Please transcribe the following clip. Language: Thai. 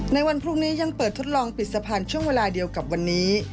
ในวันพรุ่งนี้ยังเปิดทดลองปิดสะพานช่วงเวลาเดียวกับวันนี้